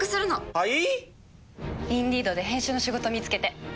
はい。